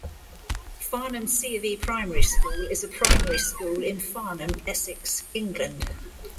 Farnham C of E Primary School is a primary school in Farnham, Essex, England.